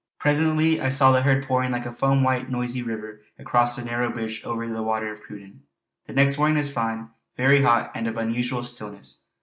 Presently I saw the herd pouring like a foam white noisy river across the narrow bridge over the Water of Cruden. The next morning was fine, very hot, and of an unusual stillness.